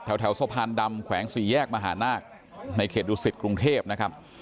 แถวสะพานดำแขวงสี่แยกมหานาคในเขตดุสิตกรุงเทพนะครับ